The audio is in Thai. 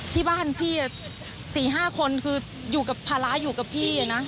ที่บ้านพี่๔๕คนคืออยู่กับภาระอยู่กับพี่นะ